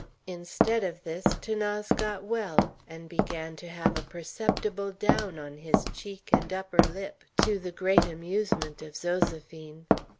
Instead of this 'Thanase got well, and began to have a perceptible down on his cheek and upper lip, to the great amusement of Zoséphine.